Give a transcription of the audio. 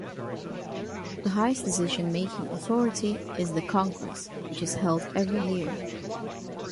The highest decisionmaking authority is the congress, which is held every year.